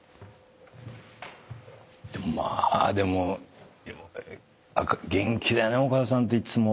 まあでも元気だよね岡田さんっていっつも。